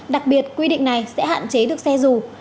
đặc biệt quy định này sẽ hạn chế được xe dù